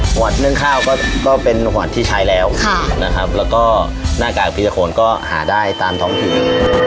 หวัดเรื่องข้าวก็เป็นหวัดที่ใช้แล้วนะครับแล้วก็หน้ากากพี่ตะโคนก็หาได้ตามท้องถิ่น